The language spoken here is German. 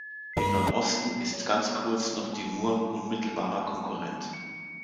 Im Nordosten ist ganz kurz noch die Murr unmittelbarer Konkurrent.